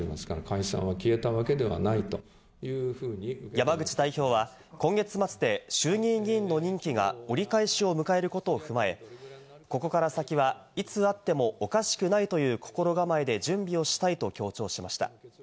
山口代表は今月末で衆議院議員の任期が折り返しを迎えることを踏まえ、ここから先は、いつあってもおかしくないという心構えで準備をしたいと強調しました。